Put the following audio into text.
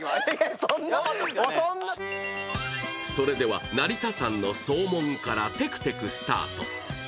それでは成田さんの総門からてくてくスタート。